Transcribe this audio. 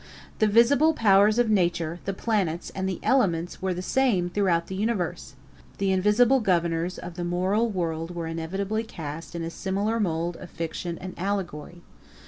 The visible powers of nature, the planets, and the elements were the same throughout the universe. The invisible governors of the moral world were inevitably cast in a similar mould of fiction and allegory.